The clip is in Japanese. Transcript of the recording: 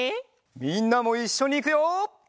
みんなもいっしょにいくよ！